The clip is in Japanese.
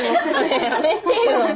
やめてよー。